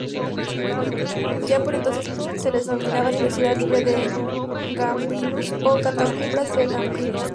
Ya por entonces se las denominaba, Universidad Libre de Gambrinus, o Catacumbas de Gambrinus.